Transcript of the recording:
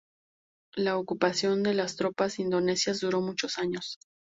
La ocupación de las tropas indonesias duró muchos años.